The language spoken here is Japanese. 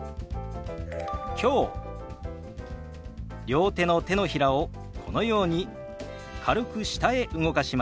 両手の手のひらをこのように軽く下へ動かします。